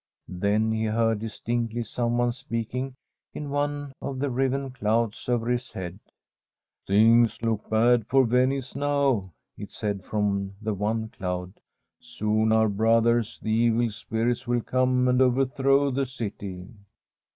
Then he heard distinctly someone speaking in one of the riven clouds over his head. ' Things look bad for Venice now,' it said from the one cloud. * Soon our brothers the evil spirits will come and overthrow the city.'